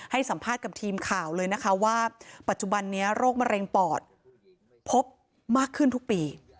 ให้สัมภาษณ์กับทีมข่าวเลยนะคะว่าปัจจุบันนี้โรคมะเร็งปอดพบมากขึ้นทุกปี